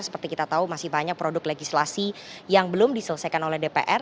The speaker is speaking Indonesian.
seperti kita tahu masih banyak produk legislasi yang belum diselesaikan oleh dpr